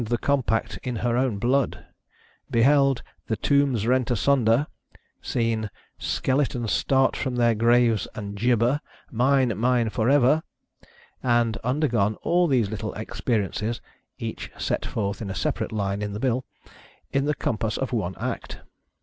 171 also "signed tte compact in her own Blood," beheld "the Tombs rent asunder," seen "skeletons start from their graves, and gibber, 'Mine, mine, forever!' " and undergone all these little experiences (each set forth in a separate line in the bill) in the compass of one act.